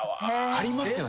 ありますよね。